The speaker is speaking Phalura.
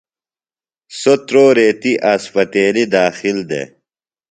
سوۡ تُرو ریتیۡ اسپتیلیۡ داخل دےۡ۔